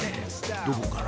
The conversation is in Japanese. どこから？